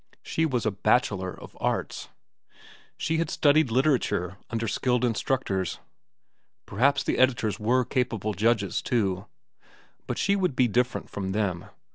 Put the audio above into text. She was a bachelor of arts. She had studied literature under skilled instructors. Perhaps the editors were capable judges, too. But she would be different from them.